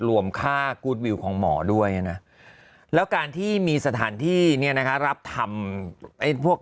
รวมค่ากู๊ดวิวของหมอด้วยนะแล้วการที่มีสถานที่เนี่ยนะคะรับทำไอ้พวก